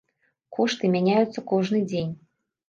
Кошты мяняюцца кожны дзень.